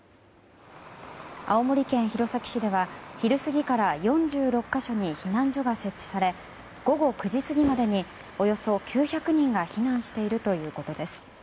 青森県弘前市では昼過ぎから４６か所に避難所が設置され午後９時過ぎまでにおよそ９００人が避難しているということです。